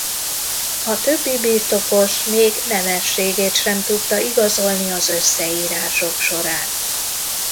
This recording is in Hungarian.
A többi birtokos még nemességét sem tudta igazolni az összeírások során.